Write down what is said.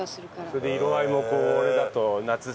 それで色合いもこれだと夏涼しげなので。